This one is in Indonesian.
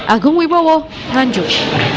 agung wibowo nganjuk